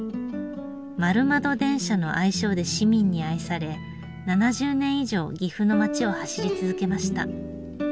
丸窓電車の愛称で市民に愛され７０年以上岐阜の街を走り続けました。